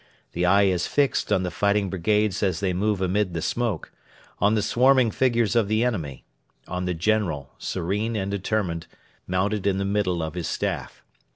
The eye is fixed on the fighting brigades as they move amid the smoke; on the swarming figures of the enemy; on the General, serene and determined, mounted in the middle of his Staff.